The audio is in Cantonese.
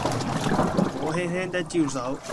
我輕輕的招手